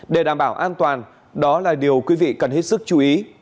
để đảm bảo an toàn đó là điều quý vị cần hết sức chú ý